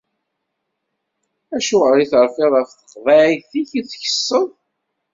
Acuɣer i terfiḍ ɣef tqeḍɛit-ik i tkesseḍ?